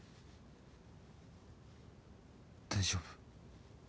大丈夫？